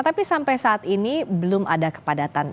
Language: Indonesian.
tapi sampai saat ini belum ada kepadatan